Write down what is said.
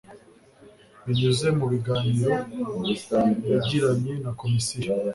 binyuze mu biganiro yagiranye na komisiyo